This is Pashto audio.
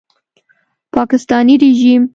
پاکستاني ریژیم